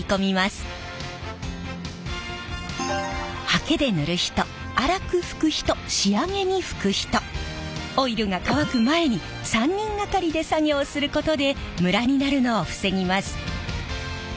ハケで塗る人粗く拭く人仕上げに拭く人オイルが乾く前に３人掛かりで作業することでムラになるのを防ぎます。